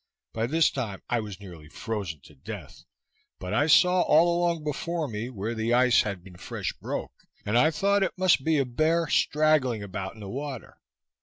By this time I was nearly frozen to death, but I saw all along before me, where the ice had been fresh broke, and I thought it must be a bear straggling about in the water.